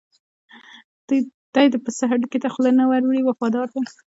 دی د پسه هډوکي ته خوله نه ور وړي وفادار دی.